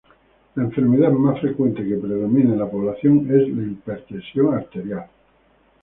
La enfermedad más frecuente que predomina en la población es la hipertensión arterial.